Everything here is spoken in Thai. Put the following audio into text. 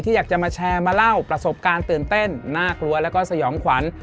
อยากจะมาแชร์มาเล่าประสบการณ์ตื่นเต้นน่ากลัวแล้วก็สยองขวัญ